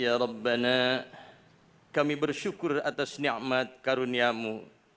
ya rabbana kami bersyukur atas nikmat karuniamu